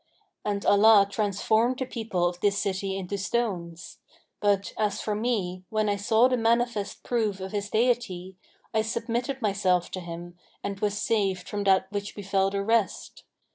And Allah transformed the people of this city into stones; but, as for me, when I saw the manifest proof of His deity, I submitted myself to Him and was saved from that which befel the rest.